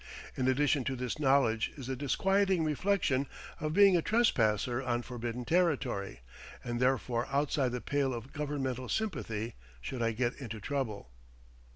In addition to this knowledge is the disquieting reflection of being a trespasser on forbidden territory, and therefore outside the pale of governmental sympathy should I get into trouble.